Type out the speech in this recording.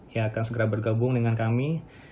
yang akan segera bergabung dengan kami